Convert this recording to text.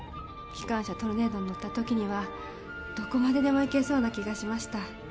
機関車トルネードに乗ったときにはどこまででも行けそうな気がしました。